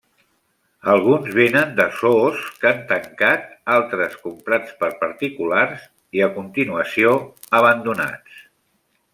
Alguns vénen de zoos que han tancat, altres comprats per particulars, a continuació abandonats.